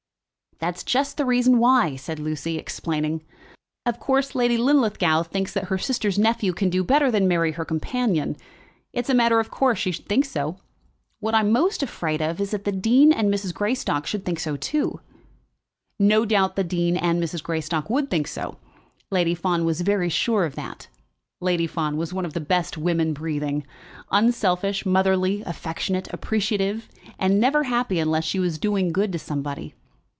"That's just the reason why," said Lucy, explaining. "Of course, Lady Linlithgow thinks that her sister's nephew can do better than marry her companion. It's a matter of course she should think so. What I am most afraid of is that the dean and Mrs. Greystock should think so too." No doubt the dean and Mrs. Greystock would think so; Lady Fawn was very sure of that. Lady Fawn was one of the best women breathing, unselfish, motherly, affectionate, appreciative, and never happy unless she was doing good to somebody.